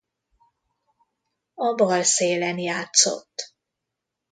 A bal szélen játszott.